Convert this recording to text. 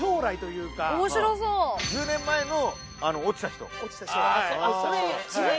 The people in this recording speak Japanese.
１０年前の落ちた人。